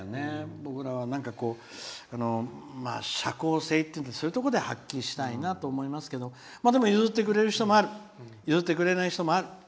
僕らは、社交性っていうのをそういうとこで発揮したいなと思いますけどでも譲ってくれる人もある譲ってくれない人もある。